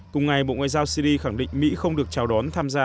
cùng ngày bộ ngoại giao syri khẳng định mỹ không được chào đón tham gia